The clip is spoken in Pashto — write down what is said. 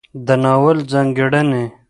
د ناول ځانګړنې